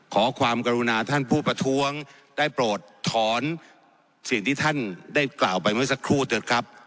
ขอความกรุณาท่านผู้ประท้วงได้โปรดถอนสิ่งที่ท่านได้กล่าวไปเมื่อสักครู่เถอะครับ